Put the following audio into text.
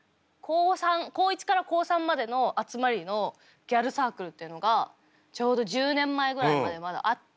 高１から高３までの集まりのギャルサークルっていうのがちょうど１０年前ぐらいまでまだあって。